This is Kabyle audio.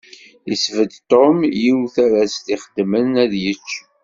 Yesbedd Tom yiwet ara s-d-ixeddmen ad yečč.